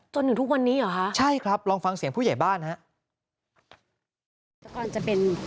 จนถึงทุกวันนี้เหรอคะใช่ครับลองฟังเสียงผู้ใหญ่บ้านฮะ